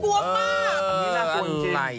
เห็นนี่น่ากลัวจริง